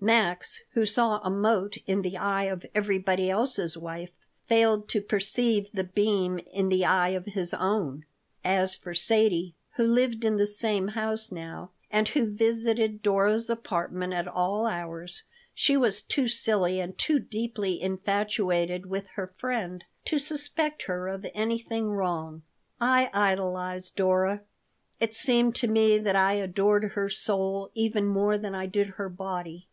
Max, who saw a mote in the eye of everybody else's wife, failed to perceive the beam in the eye of his own As for Sadie, who lived in the same house now, and who visited Dora's apartment at all hours, she was too silly and too deeply infatuated with her friend to suspect her of anything wrong I idolized Dora. It seemed to me that I adored her soul even more than I did her body.